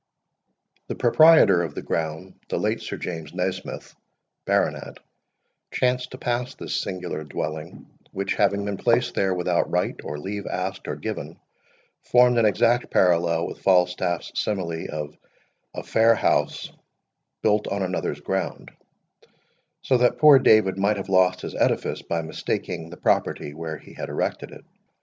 The proprietor of the ground, the late Sir James Naesmith, baronet, chanced to pass this singular dwelling, which, having been placed there without right or leave asked or given, formed an exact parallel with Falstaff's simile of a "fair house built on another's ground;" so that poor David might have lost his edifice by mistaking the property where he had erected it.